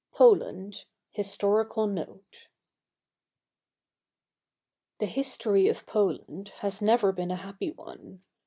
V POLAND HISTORICAL NOTE The history of Poland has never been a happy one.